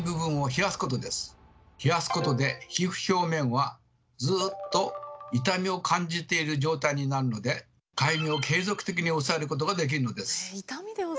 冷やすことで皮膚表面はずっと痛みを感じている状態になるのでかゆみを継続的に抑えることができるのです。